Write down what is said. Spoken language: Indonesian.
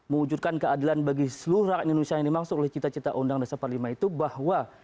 mewujudkan keadilan bagi seluruh rakyat indonesia yang dimaksud oleh cita cita undang dasar empat puluh lima itu bahwa